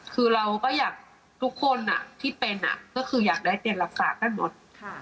คือเราก็อยากทุกคนที่เป็นก็คืออยากได้เตียงรักษากันหมด